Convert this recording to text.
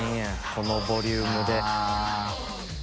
このボリュームで。